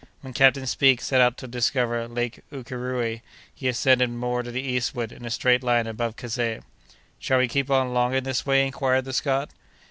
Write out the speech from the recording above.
When Captain Speke set out to discover Lake Ukéréoué, he ascended more to the eastward in a straight line above Kazeh." "Shall we keep on long in this way?" inquired the Scot.